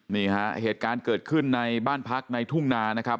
นี่ฮะเหตุการณ์เกิดขึ้นในบ้านพักในทุ่งนานะครับ